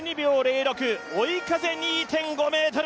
１２秒０６、追い風２．５ｍ。